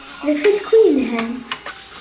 D afakul yelhan.